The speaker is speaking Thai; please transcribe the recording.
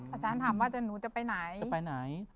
อาจารย์ถามว่าหนูจะไปไหน